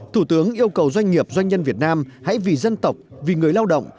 thủ tướng yêu cầu doanh nghiệp doanh nhân việt nam hãy vì dân tộc vì người lao động